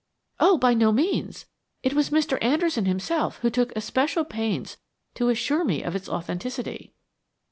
"Oh, by no means! It was Mr. Anderson himself who took especial pains to assure me of its authenticity."